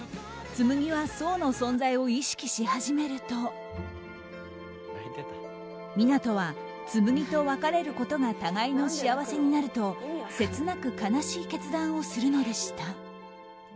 紬は想の存在を意識し始めると湊斗は紬と別れることが互いの幸せになると切なく悲しい決断をするのでした。